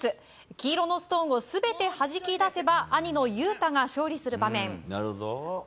黄色のストーンを全てはじき出せば兄の雄太が勝利する場面。